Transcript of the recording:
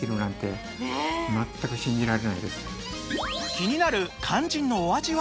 気になる肝心のお味は？